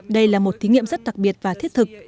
đây là một thí nghiệm rất đặc biệt và thiết thực